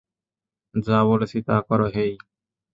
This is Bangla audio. যা বলেছি তা করো হেই!